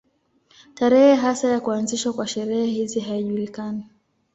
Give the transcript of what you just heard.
Tarehe hasa ya kuanzishwa kwa sherehe hizi haijulikani.